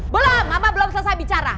boleh mama belum selesai bicara